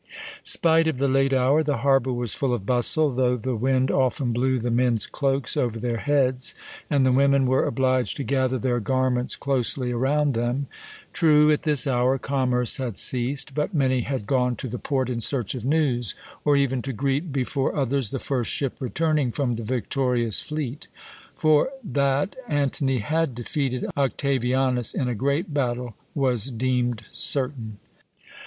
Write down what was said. Spite of the late hour, the harbour was full of bustle, though the wind often blew the men's cloaks over their heads, and the women were obliged to gather their garments closely around them. True, at this hour commerce had ceased; but many had gone to the port in search of news, or even to greet before others the first ship returning from the victorious fleet; for that Antony had defeated Octavianus in a great battle was deemed certain.